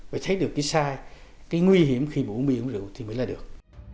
và thấy được cái sai cái nguy hiểm khi uống bia uống rượu thì mới là được